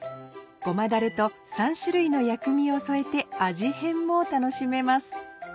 ごまだれと３種類の薬味を添えて味変も楽しめます。